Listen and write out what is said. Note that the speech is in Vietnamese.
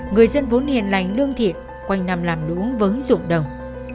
người dân vốn hiền lành lương thiện quanh nằm làm nữ vấn dụng đồng